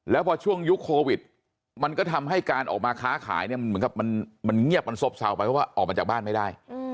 แล้วพอช่วงยุคโควิดมันก็ทำให้การออกมาค้าขายเนี่ยมันเหมือนกับมันเงียบมันซบเศร้าไปเพราะว่าออกมาจากบ้านไม่ได้